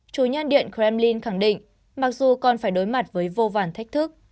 chủ nhân điện kremlin khẳng định mặc dù còn phải đối mặt với vô vàn thách thức